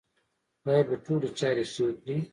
خدای به ټولې چارې ښې کړې